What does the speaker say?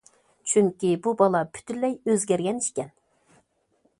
چۈنكى بۇ بالا پۈتۈنلەي ئۆزگەرگەن ئىكەن.